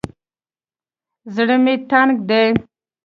زړه مې تنګ دى.